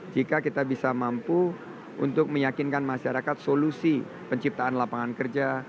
jika kita bisa mampu untuk meyakinkan masyarakat solusi penciptaan lapangan kerja